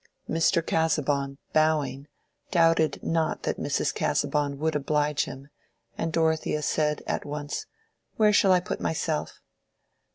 Mr. Casaubon, bowing, doubted not that Mrs. Casaubon would oblige him, and Dorothea said, at once, "Where shall I put myself?"